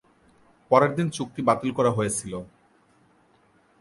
পরের দিন চুক্তি বাতিল করা হয়েছিল।